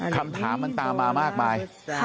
คำถามมันตามมามากมาย